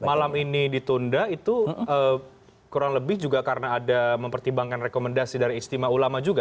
jadi kalau malam ini ditunda itu kurang lebih juga karena ada mempertimbangkan rekomendasi dari istimewa ulama juga